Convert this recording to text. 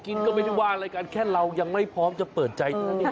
กินก็ไม่ได้ว่าอะไรกันแค่เรายังไม่พร้อมจะเปิดใจเท่านั้นเอง